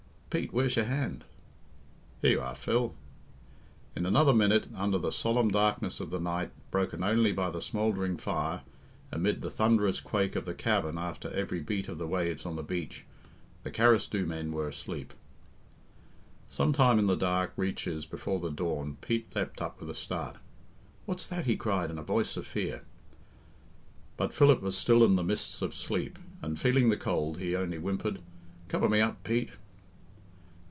"Pete, where's your hand?" "Here you are, Phil." In another minute, under the solemn darkness of the night, broken only by the smouldering fire, amid the thunderous quake of the cavern after every beat of the waves on the beach, the Carrasdhoo men were asleep. Sometime in the dark reaches before the dawn Pete leapt up with a start "What's that?" he cried, in a voice of fear. But Philip was still in the mists of sleep, and, feeling the cold, he only whimpered, "Cover me up, Pete."